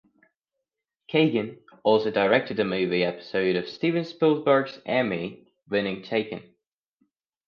Kagan also directed a movie episode of Steven Spielberg's Emmy winning "Taken".